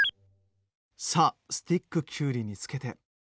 さあスティックきゅうりにつけて。